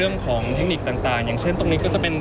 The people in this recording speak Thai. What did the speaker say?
คุณต้องไปคุยกับทางเจ้าหน้าที่เขาหน่อย